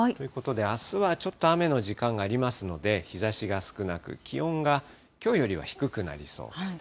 あすはちょっと雨の時間がありますので、日ざしが少なく、気温がきょうよりは低くなりそうです。